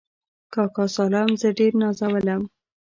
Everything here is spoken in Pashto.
کاکا سالم زه ډېر نازولم.